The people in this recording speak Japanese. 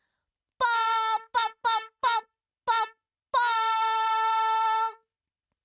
・パパパパッパッパ。